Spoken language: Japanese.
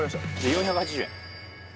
４８０円